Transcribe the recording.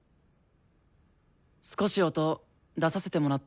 少し音出させてもらっていいですか？